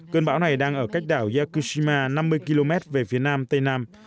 cơn bão này đang ở cách đảo yakushima năm mươi km về phía nam tây nam